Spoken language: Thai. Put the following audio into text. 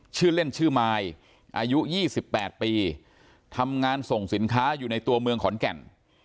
ชื่อเล่นชื่อมายอายุ๒๘ปีทำงานส่งสินค้าอยู่ในตัวเมืองขอนแก่น